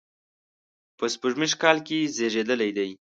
په سپوږمیز کال کې زیږېدلی دی.